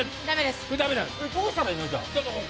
どうしたらいいの、じゃあ？